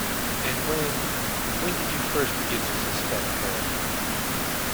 And when — when did you first begin to suspect Harry?